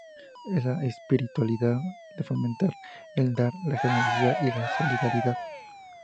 Es la espiritualidad de fomentar el dar, la generosidad, y la solidaridad.